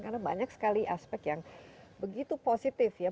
karena banyak sekali aspek yang begitu positif ya